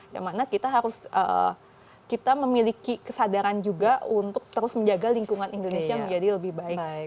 yang mana kita harus kita memiliki kesadaran juga untuk terus menjaga lingkungan indonesia menjadi lebih baik